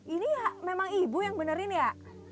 ini memang ibu yang benerin ya